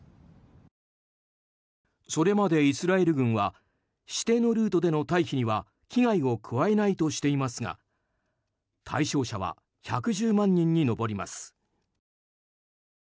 それまでイスラエル軍は指定のルートでの退避には危害を加えないとしていますが対象者は１１０万人に上ります。